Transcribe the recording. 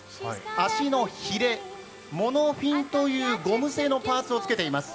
足のヒレ、モノフィンというゴム製のパーツをつけています。